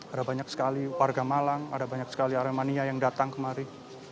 ada banyak sekali warga malang ada banyak sekali aremania yang datang kemari